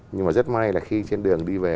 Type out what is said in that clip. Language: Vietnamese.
nhưng mà rất may là khi trên đường đi về